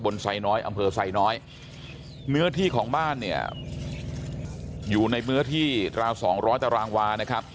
เนื้อที่ของบ้านเนี่ยอยู่ในเมื้อที่ราวสองร้อยตารางวานะครับ